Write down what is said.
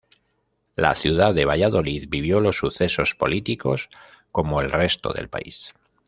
La ciudad de Valladolid vivió los sucesos políticos como el resto del país.